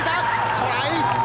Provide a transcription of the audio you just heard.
トライ。